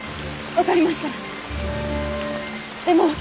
分かりましたでも。